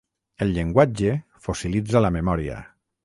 El llenguatge fossilitza la memòria.